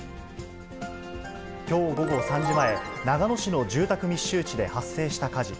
きょう午後３時前、長野市の住宅密集地で発生した火事。